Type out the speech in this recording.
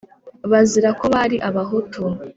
bazira ko bari abahutu.